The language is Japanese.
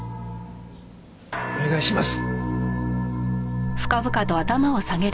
お願いします。